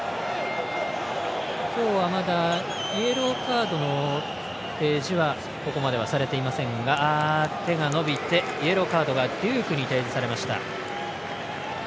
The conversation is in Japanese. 今日はまだイエローカードの提示はここまではされていませんがイエローカードがデュークに提示されました。